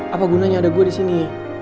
apa gunanya ada gue disini